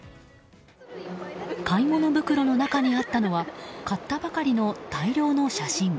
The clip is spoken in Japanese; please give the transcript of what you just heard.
買い物袋の中にあったのは買ったばかりの大量の写真。